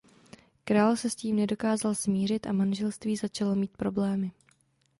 Král se s tím nedokázal smířit a manželství začalo mít problémy.